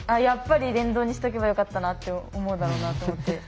やっぱり電動にしとけばよかったなって思うだろうなと思って。